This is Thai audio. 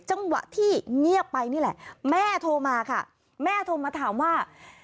จังหวะที่เงียบไปนี่แหละแม่โทรมาค่ะแม่โทรมาถามว่า